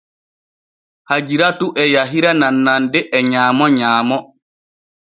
Hajiratu e yahira nannande e nyaamo nyaamo.